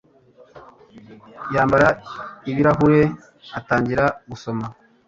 Yambara ibirahure atangira gusoma.